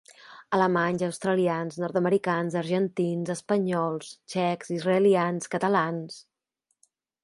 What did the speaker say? Alemanys, australians, nord-americans, argentins, espanyols, txecs, israelians, catalans...